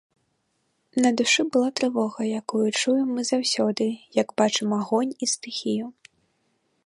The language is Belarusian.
На душы была трывога, якую чуем мы заўсёды, як бачым агонь і стыхію.